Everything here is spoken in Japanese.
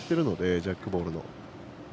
ジャックボールの。